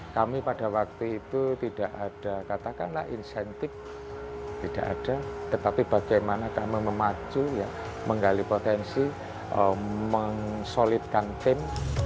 kami pada waktu itu tidak ada katakanlah insentif tidak ada tetapi bagaimana kami memacu menggali potensi mengsolidkan tim